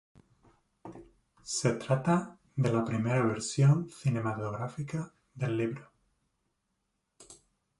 Se trata de la primera versión cinematográfica del libro.